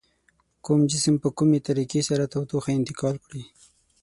کوم جسم په کومې طریقې سره تودوخه انتقال کړي؟